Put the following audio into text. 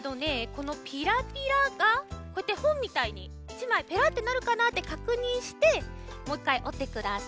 このピラピラがこうやってほんみたいに１まいペラってなるかなってかくにんしてもう１かいおってください。